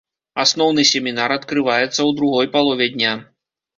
Асноўны семінар адкрываецца ў другой палове дня.